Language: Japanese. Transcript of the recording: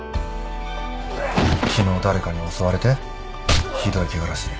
昨日誰かに襲われてひどいケガらしい。